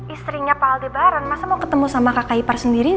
istrinya pak aldebaran masa mau ketemu sama kakai parsendirnya